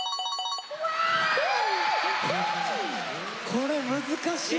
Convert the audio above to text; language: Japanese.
これ難しい。